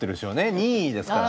２位ですから。